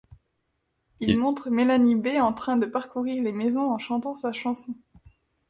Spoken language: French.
Il montre Melanie B en train de parcourir les maisons en chantant sa chanson.